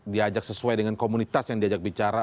diajak sesuai dengan komunitas yang diajak bicara